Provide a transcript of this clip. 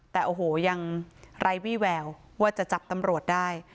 แต่โอ้โหยังไร้วี่แววว่าจะจับตำรวจได้